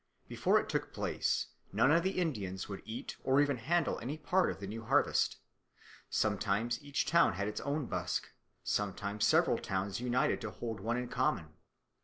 Before it took place, none of the Indians would eat or even handle any part of the new harvest. Sometimes each town had its own busk; sometimes several towns united to hold one in common.